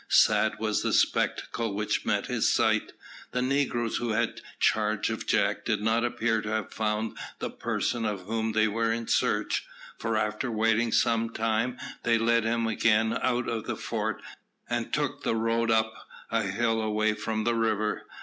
Sad was the spectacle which met his sight. The negroes who had charge of Jack did not appear to have found the person of whom they were in search; for after waiting some time they led him again out of the fort and took the road up a hill away from the river.